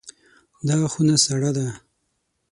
دا خونه سړه ده.